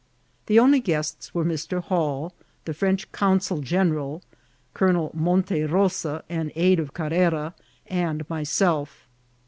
The only guests were Mr. Hall, the French consul gen« eral, Colonel Monte Rosa, an aid of Carrera, and my* self.